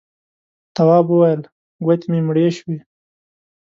تواب وويل: گوتې مې مړې شوې.